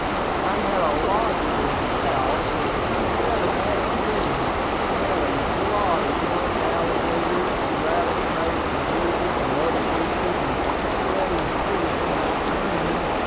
"I had a lodger in the house, and he had an attic room. He had a lot of young alligators, rattlesnakes, lizards, and other critters; and I let him put 'em in that room.